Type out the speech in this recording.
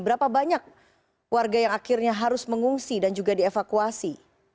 berapa banyak warga yang akhirnya harus mengungsi dan juga dievakuasi